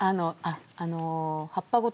あの葉っぱごと。